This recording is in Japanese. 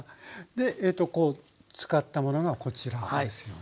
でえとこうつかったものがこちらですよね？